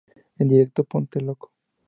En directo... ¡ponte loco!